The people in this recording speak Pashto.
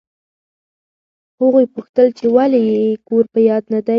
هغوی پوښتل چې ولې یې کور په یاد نه دی.